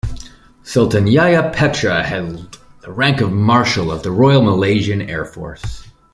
Sultan Yahya Petra held the rank of Marshal of the Royal Malaysian Air Force.